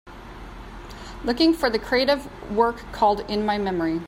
Looking for the crative work called In my memory